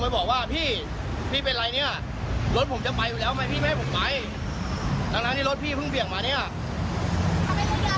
ดังนั้นที่รถพี่เพิ่งเรียนอยู่มาเนี่ย